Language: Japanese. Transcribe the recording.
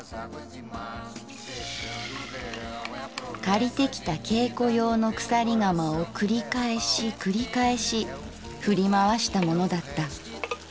「借りてきた稽古用の鎖鎌をくり返しくり返しふりまわしたものだった。